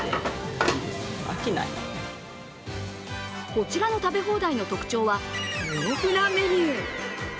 こちらの食べ放題の特徴は、豊富なメニュー。